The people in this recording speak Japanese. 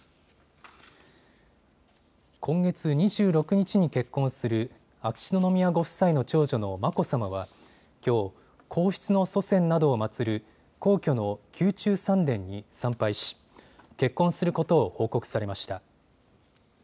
今月２６日に結婚する秋篠宮ご夫妻の長女の眞子さまはきょう、皇室の祖先などを祭る皇居の宮中三殿に参拝し結婚することを報告されました。